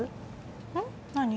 うん？何？